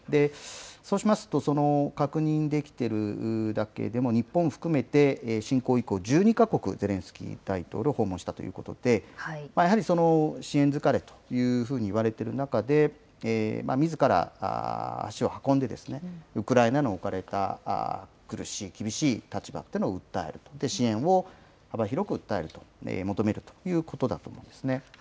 そうしますと、確認できてるだけでも日本を含めて、侵攻以降、１２か国、ゼレンスキー大統領、訪問したということで、やはり支援疲れというふうにいわれてる中で、みずから足を運んで、ウクライナの置かれた苦しい厳しい立場っていうのを訴える、そして支援を幅広く伝えると、求めるということだと思いますね。